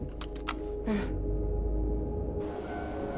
うん。